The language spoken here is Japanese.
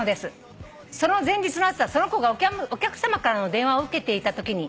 「その前日の朝その子がお客さまからの電話を受けていたときに